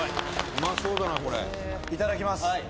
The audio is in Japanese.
「いただきます」